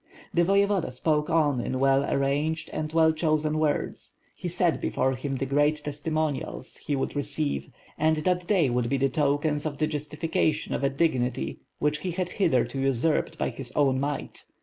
The Voyevoda spoke on in well arranged and well chosen words. He set before him the great testimonials he would receive, and that they would be the tokens of the justifica tion of a dignity, which he had hitherto usurped by his own might.